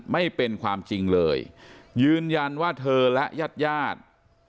ไม่เป็นความจริงเลยยืนยันว่าเธอและญาติญาติ